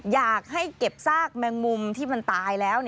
อยากให้เก็บซากแมงมุมที่มันตายแล้ว